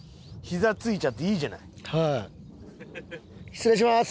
失礼します。